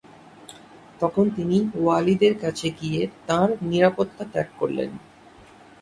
তখন তিনি ওয়ালিদের কাছে গিয়ে তাঁর নিরাপত্তা ত্যাগ করলেন।